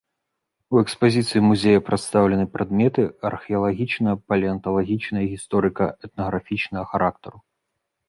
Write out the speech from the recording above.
У экспазіцыі музея прадстаўлены прадметы археалагічнага, палеанталагічнага і гісторыка- этнаграфічнага характару.